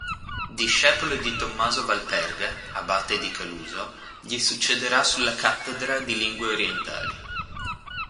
Discepolo di Tommaso Valperga, abate di Caluso, gli succederà sulla cattedra di lingue orientali.